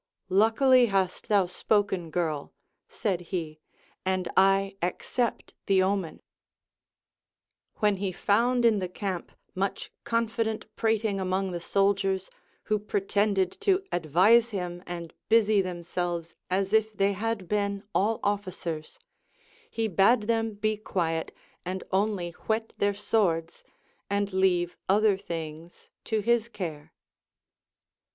Luckily hast thou spoken, girl, said he, and I accept the omen, AVhen he found in the camp much confident prating among the soldiers, who pretended to advise him and busy them selves as if they had been all officers, he bade them be quiet and only whet their swords, and leave other things to his care.